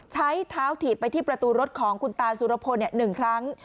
ใช้เท้าถีบไปที่ประตูรถของคุณตาสุรพล๑ครั้ง